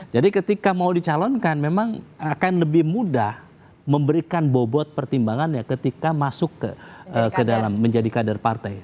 jadi ketika mau dicalon kan memang akan lebih mudah memberikan bobot pertimbangannya ketika masuk ke dalam menjadi kader partai